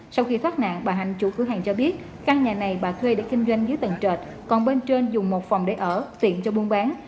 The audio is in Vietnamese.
sau khi thoát nạn bà hạnh chủ cửa hàng cho biết căn nhà này bà thuê để kinh doanh dưới tầng trệt còn bên trên dùng một phòng để ở tiện cho buôn bán